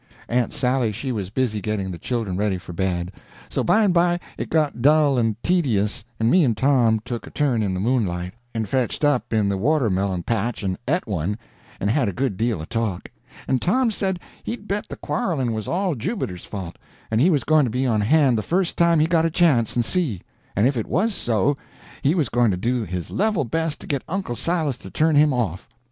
Aunt Sally she was busy getting the children ready for bed; so by and by it got dull and tedious, and me and Tom took a turn in the moonlight, and fetched up in the watermelon patch and et one, and had a good deal of talk. And Tom said he'd bet the quarreling was all Jubiter's fault, and he was going to be on hand the first time he got a chance, and see; and if it was so, he was going to do his level best to get Uncle Silas to turn him off.